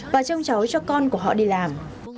và trông cháu cho con của họ đi làm